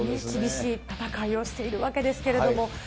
厳しい戦いをしているわけですけれども。